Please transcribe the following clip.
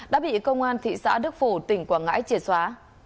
đã bị công an thị xã đức phổ tỉnh quảng ngãi triệt xóa